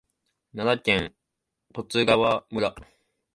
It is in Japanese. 奈良県十津川村